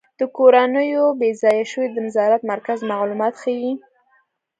د کورنیو بې ځایه شویو د نظارت مرکز معلومات ښيي.